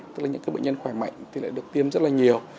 tức là những bệnh nhân khỏe mạnh thì lại được tiêm rất là nhiều